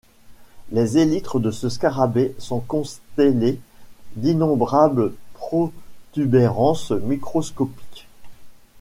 Les élytres de ce scarabée sont constellées d'innombrables protubérances microscopiques.